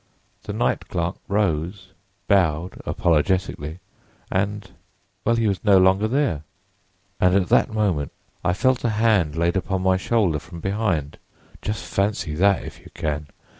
"The night clerk rose, bowed (apologetically) and—well, he was no longer there, and at that moment I felt a hand laid upon my shoulder from behind. Just fancy that if you can!